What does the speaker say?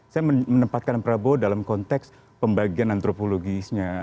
saya menempatkan prabowo dalam konteks pembagian antropologisnya